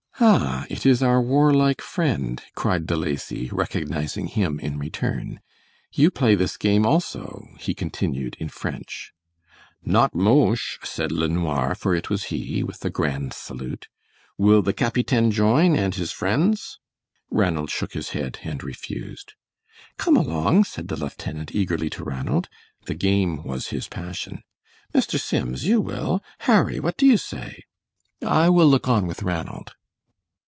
"Ah, it is our warlike friend," cried De Lacy, recognizing him in return; "you play this game also," he continued in French. "Not moche," said LeNoir, for it was he, with a grand salute. "Will the capitaine join, and his friends?" Ranald shook his head and refused. "Come along," said the lieutenant, eagerly, to Ranald. The game was his passion. "Mr. Sims, you will; Harry, what do you say?" "I will look on with Ranald."